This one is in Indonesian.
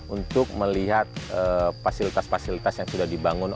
untuk melihat fasilitas fasilitas yang sudah dibangun